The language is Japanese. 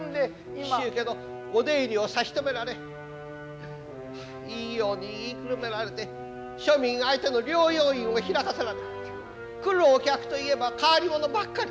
紀州家のお出入りを差し止められいいように言いくるめられて庶民相手の療養院を開かせられ来るお客といえば変わり者ばっかり。